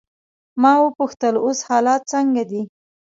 ما وپوښتل: اوس حالات څنګه دي؟